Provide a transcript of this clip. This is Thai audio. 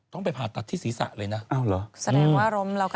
ต้องไปผ่าตัดที่ศีรษะเลยนะ